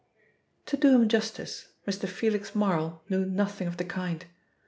To do him justice, Mr. Felix Marl knew nothing of the kind.